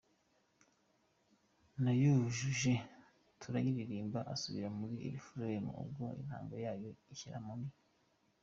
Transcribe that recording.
nayujuje turayiririmba asubira muri referain, ubwo intango yayo nyishyira muri.